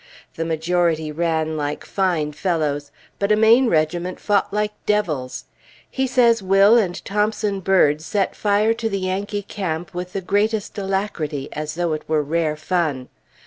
The majority ran like fine fellows, but a Maine regiment fought like devils. He says Will and Thompson Bird set fire to the Yankee camp with the greatest alacrity, as though it were rare fun.